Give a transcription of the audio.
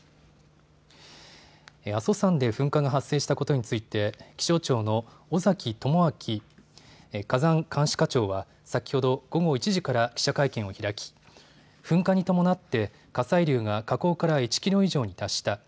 阿蘇山で噴火が発生したことについて、気象庁の尾崎友亮火山監視課長は先ほど午後１時から記者会見を開き噴火に伴って火砕流が火口から１キロ以上に達した。